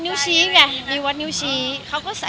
มีปิดฟงปิดไฟแล้วถือเค้กขึ้นมา